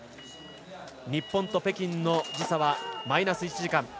日本と北京の時差はマイナス１時間。